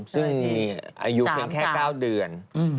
ซึ่งมีอายุเพียงแค่๙เดือน